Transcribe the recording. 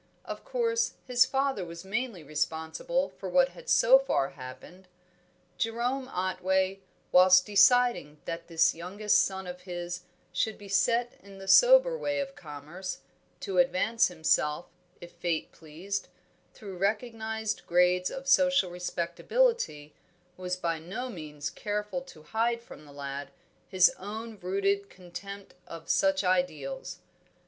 Of course his father was mainly responsible for what had so far happened. Jerome Otway, whilst deciding that this youngest son of his should be set in the sober way of commerce, to advance himself, if fate pleased, through recognised grades of social respectability, was by no means careful to hide from the lad his own rooted contempt of such ideals.